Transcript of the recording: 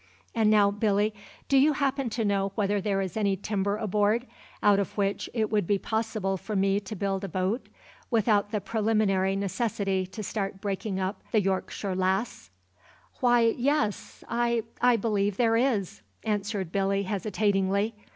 And now, Billy, do you happen to know whether there is any timber aboard, out of which it would be possible for me to build a boat without the preliminary necessity to start breaking up the Yorkshire Lass?" "Why yes I I believe there is," answered Billy hesitatingly.